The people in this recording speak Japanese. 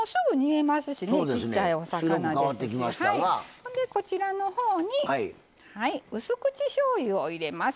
ほんでこちらの方にうす口しょうゆを入れます。